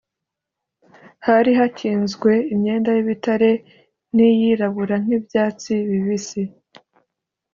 Hari hakinzwe imyenda y’ibitare n’iyirabura nk’ibyatsi bibisi